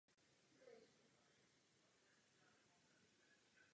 Spořitelny dnes provozují jako univerzální banky všechny standardní bankovní služby.